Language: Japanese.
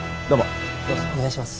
お願いします。